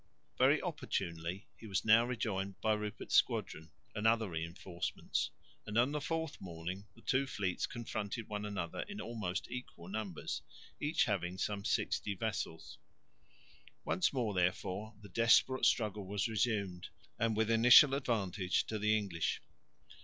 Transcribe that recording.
Very opportunely he was now rejoined by Rupert's squadron and other reinforcements; and on the fourth morning the two fleets confronted one another in almost equal numbers, each having some sixty vessels. Once more therefore the desperate struggle was resumed and with initial advantage to the English.